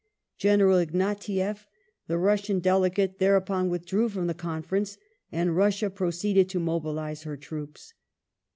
General Ignatieff", the Russian delegate, thereupon withdrew from the conference, and Russia proceeded to mobilize her ti oops.